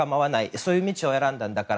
そういう道を選んだんだから。